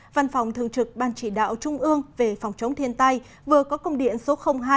văn phòng thường trực ban chỉ đạo trung ương về phòng chống thiên tai vừa có công điện số hai